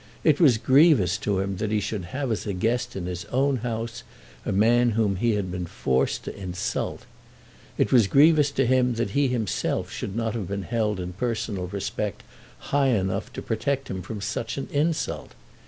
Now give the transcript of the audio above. It was grievous to him that he should have as a guest in his own house a man whom he had been forced to insult. It was grievous to him that he himself should not have been held in personal respect high enough to protect him from such an insult.